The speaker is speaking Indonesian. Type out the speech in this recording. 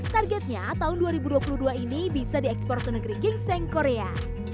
targetnya tahun dua ribu dua puluh dua ini bisa diekspor ke negeri gingseng korea